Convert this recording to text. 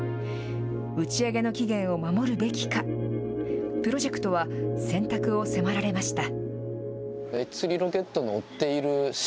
打ち上げの期限を守るべきか、プロジェクトは選択を迫られました。